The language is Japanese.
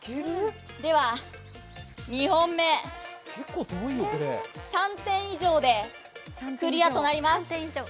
では２本目、３点以上でクリアとなります。